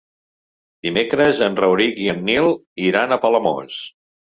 Dimecres en Rauric i en Nil iran a Palamós.